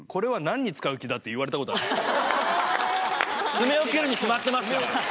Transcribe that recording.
爪を切るに決まってますから！